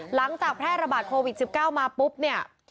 หลังจากแพร่ระบาดโควิด๑๙มาปุ๊บเนี่ย